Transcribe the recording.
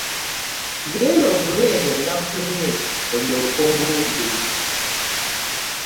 Genda ogule bye nakutumye olyoke ombuulire.